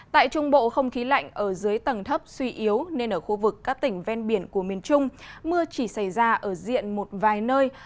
tại trung bộ không khí lạnh ở dưới tầng thấp suy yếu nên ở khu vực các tỉnh ven biển của miền trung mưa chỉ xảy ra ở diện một vài nơi